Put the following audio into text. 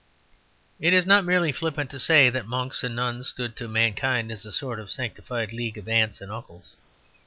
It is not merely flippant to say that monks and nuns stood to mankind as a sort of sanctified league of aunts and uncles.